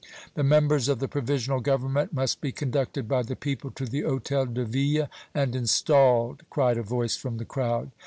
"The members of the Provisional Government must be conducted by the people to the Hôtel de Ville and installed!" cried a voice from the crowd.